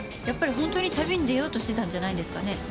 やっぱり本当に旅に出ようとしてたんじゃないんですかね？